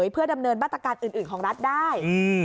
เพื่อดำเนินมาตรการอื่นของรัฐได้